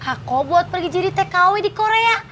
aku buat pergi jadi tkw di korea